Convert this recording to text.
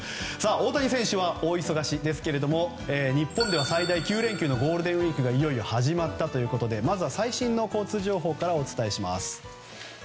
大谷選手は大忙しですけども日本では最大９連休のゴールデンウィークがいよいよ始まったということでまずは最新の交通情報からお伝えします。